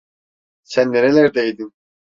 Sen nerelerdeydin?